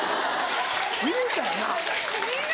言うたよな。